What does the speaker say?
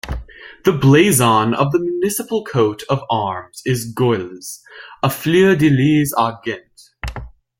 The blazon of the municipal coat of arms is Gules, a Fleur-de-lys Argent.